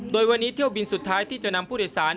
โดยวันนี้เที่ยวบินสุดท้ายที่จะนำผู้โดยสาร